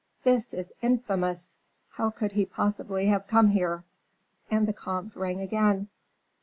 "This is infamous! How could he possibly have come here?" And the comte rang again.